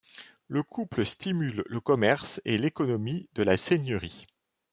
Le couple stimule le commerce et l’économie de la seigneurie.